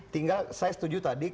tinggal saya setuju tadi